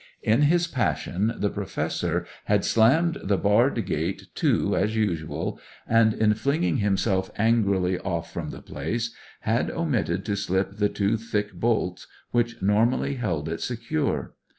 In his passion the Professor had slammed the barred gate to as usual and, in flinging himself angrily off from the place, had omitted to slip the two thick bolts which normally held it secure.